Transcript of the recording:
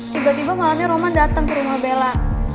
tiba tiba malamnya roman datang ke rumah bella